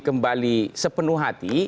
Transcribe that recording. kembali sepenuh hati